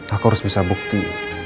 aku harus bisa bukti